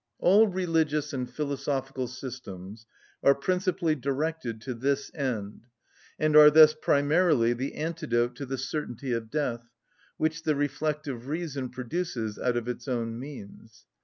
All religious and philosophical systems are principally directed to this end, and are thus primarily the antidote to the certainty of death, which the reflective reason produces out of its own means.